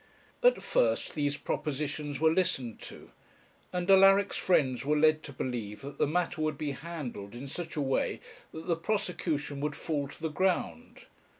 At first these propositions were listened to, and Alaric's friends were led to believe that the matter would be handled in such a way that the prosecution would fall to the ground.